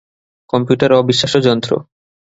Computer অবিশ্বাস্য যন্ত্র।